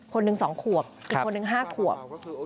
คนหนึ่ง๒ขวบอีกคนนึง๕ขวบ